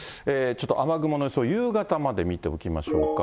雨雲の予想、夕方まで見ておきましょうか。